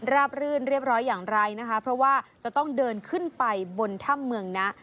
รื่นเรียบร้อยอย่างไรนะคะเพราะว่าจะต้องเดินขึ้นไปบนถ้ำเมืองนะ